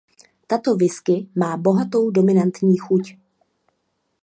Tato whisky má bohatou dominantní chuť.